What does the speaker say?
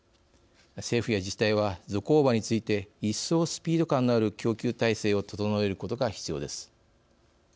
政府や自治体はゾコーバについて一層スピード感のある供給体制を整えることが必要です。